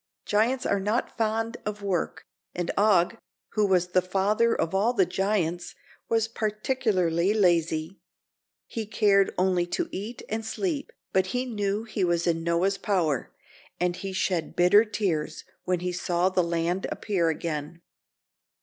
Giants are not fond of work, and Og, who was the father of all the giants, was particularly lazy. He cared only to eat and sleep, but he knew he was in Noah's power, and he shed bitter tears when he saw the land appear again.